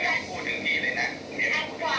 อะไรก็ได้แต่ต้องไม่จะโทษกับคุณ